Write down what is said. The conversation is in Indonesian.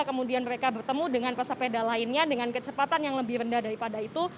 kemudian mereka bertemu dengan pesepeda lainnya dengan kecepatan yang lebih rendah daripada itu